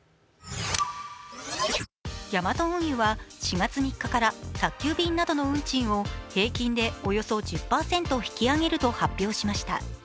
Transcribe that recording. ヤマト運輸は４月３日から宅急便などの運賃を平均でおよそ１０％引き上げると発表しました。